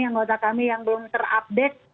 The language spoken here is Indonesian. anggota kami yang belum terupdate